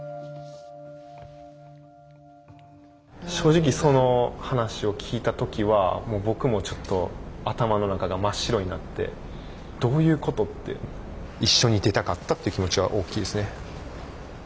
正直その話を聞いたときは僕もちょっと頭の中が真っ白になってどういうことって一緒に出たかったという気持ちは大きいですね。